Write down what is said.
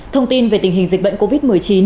thông tin về tình hình dịch bệnh covid một mươi chín